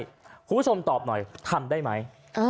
คุณผู้ชมตอบหน่อยทำได้ไหม